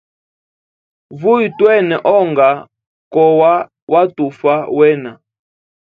Vuya twene onga kowa watufa wena.